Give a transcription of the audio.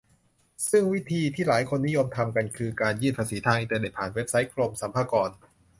ซึ่งวิธีที่หลายคนนิยมทำกันคือ การยื่นภาษีทางอินเทอร์เน็ตผ่านเว็บไซต์กรมสรรพากร